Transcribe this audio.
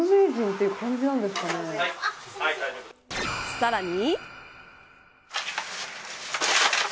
さらに。